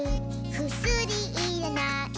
「くすりいらない」